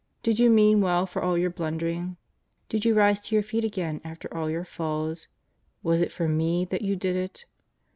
Did you mean well for all your blundering? Did you rise to your feet again after all your falls? Was it for Me that you did it?